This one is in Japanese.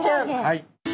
はい。